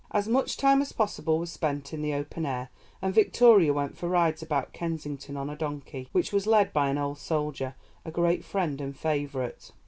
As much time as possible was spent in the open air, and Victoria went for rides about Kensington on a donkey, which was led by an old soldier, a great friend and favourite.